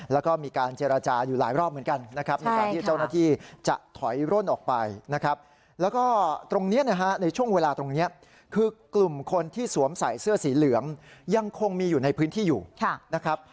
แล้วก็มีการเจรจาอยู่หลายรอบเหมือนกันนะครับ